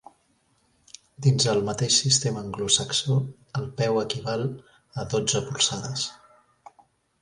Dins el mateix sistema anglosaxó, el peu equival a dotze polzades.